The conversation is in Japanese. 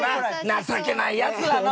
情けないやつだな。